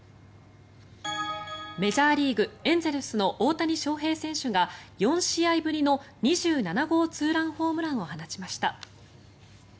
メジャーリーグ、エンゼルスの大谷翔平選手が４試合ぶりの２７号ツーランホームランを放ちました。